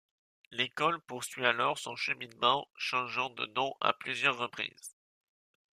L'école poursuit alors son cheminement, changeant de nom à plusieurs reprises.